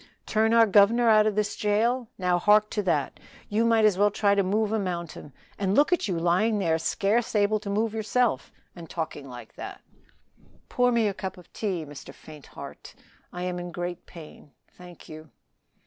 "Turn our governor out of this jail? Now hark to that. You might as well try to move a mountain; and look at you lying there scarce able to move yourself, and talking like that." "Pour me out a cup of tea, Mr. Faintheart; I am in great pain thank you."